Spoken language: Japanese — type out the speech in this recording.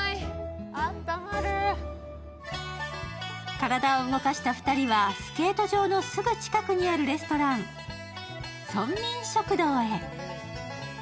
体を動かした２人はスケート場のすぐ近くにあるレストラン、村民食堂へ。